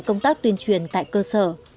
công tác tuyên truyền tại cơ sở